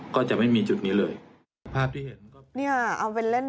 ก็จะไม่มีจุดนี้เลยภาพที่เห็นก็เนี่ยเอาเป็นเล่น